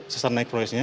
sesar naik floresnya